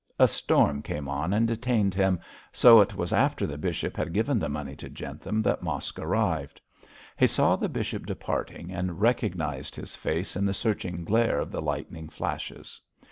A storm came on and detained him, so it was after the bishop had given the money to Jentham that Mosk arrived. He saw the bishop departing, and recognised his face in the searching glare of the lightning flashes.